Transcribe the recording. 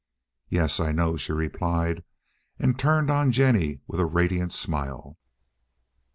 "Yes, I know," she replied, and turned on Jennie a radiant smile.